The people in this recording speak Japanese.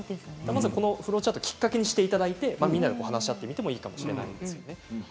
このフローチャートをきっかけにしていただいてみんなで話し合っていただいてもいいかもしれませんね。